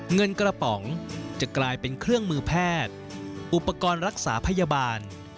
เงินกระป๋องจะกลายเป็นเครื่องมือแพทย์อุปกรณ์รักษาพยาบาล